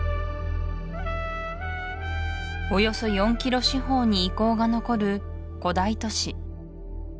およそ４キロ四方に遺構が残る古代都市